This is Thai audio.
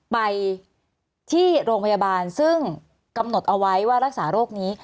ไปที่โรงพยาบาลซึ่งกำหนดเอาไว้ว่ารักษาโรคนี้